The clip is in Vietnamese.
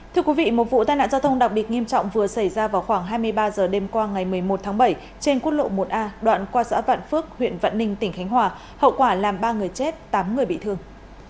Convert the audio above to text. thưa quý vị một vụ tai nạn giao thông đặc biệt nghiêm trọng vừa xảy ra vào khoảng hai mươi ba h đêm qua ngày một mươi một tháng bảy trên quốc lộ một a đoạn qua xã vạn phước huyện vạn ninh tỉnh khánh hòa hậu quả làm ba người chết tám người bị thương